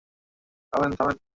থামেন, থামেন।